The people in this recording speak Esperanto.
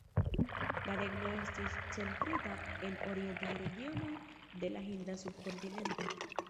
La regno estis centrita en orientaj regionoj de la Hinda Subkontinento.